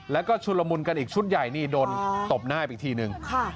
แล้วก็ชุนละมุนกันอีกชุดใหญ่นี่โดนตบหน้าอีกทีนึง